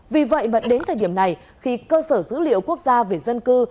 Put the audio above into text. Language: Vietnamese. vì vậy mà đến thời điểm này khi cơ sở dữ liệu quốc gia về dân cư